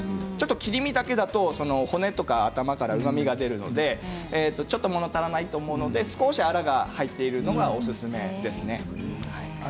ちょっと切り身だけだと骨とか頭からうまみが出るのでちょっともの足りないと思うので少し、あらが入っているのがおすすめですね。